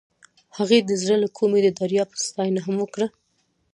هغې د زړه له کومې د دریاب ستاینه هم وکړه.